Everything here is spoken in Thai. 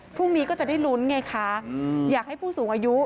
พรุ่งนี้ก็จะได้ลุ้นไงคะอยากให้ผู้สูงอายุ